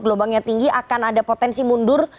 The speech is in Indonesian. gelombangnya tinggi akan ada potensi mundur